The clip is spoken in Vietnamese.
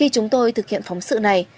chúng tôi thực hiện phóng sự này